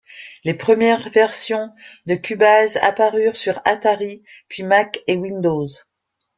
Les premières versions de Cubase apparurent sur Atari puis Mac et Windows.